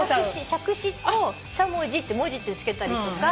「しゃくし」を「しゃもじ」って「もじ」ってつけたりとか。